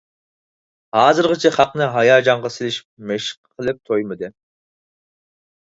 ھازىرغىچە خەقنى ھاياجانغا سېلىش مەشقى قىلىپ تويمىدى.